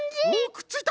くっついた！